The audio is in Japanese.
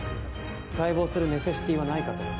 解剖するネセシティーはないかと。